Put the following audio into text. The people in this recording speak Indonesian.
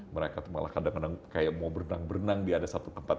mereka tuh malah kadang kadang kayak mau berenang berenang di ada satu tempat